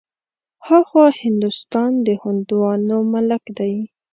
ها خوا هندوستان د هندوانو ملک دی.